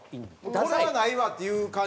これはないわっていう感じ？